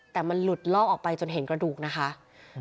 แต่มันหลุดลอกออกไปจนเห็นกระดูกนะคะ